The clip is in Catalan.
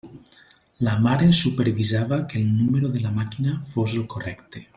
La mare supervisava que el número de la màquina fos el correcte.